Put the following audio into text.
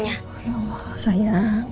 ya allah sayang